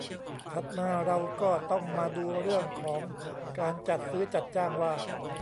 ถัดมาเราก็ต้องมาดูเรื่องของการจัดซื้อจัดจ้างว่า